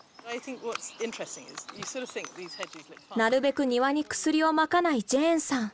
なるべく庭に薬をまかないジェーンさん。